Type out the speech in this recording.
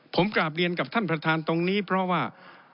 ผมกราบเรียนกับท่านประธานตรงนี้เพราะว่า